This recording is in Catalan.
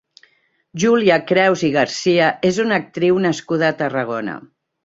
Júlia Creus i Garcia és una actriu nascuda a Tarragona.